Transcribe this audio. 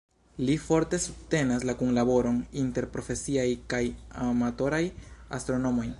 Li forte subtenas la kunlaboron inter profesiaj kaj amatoraj astronomoj.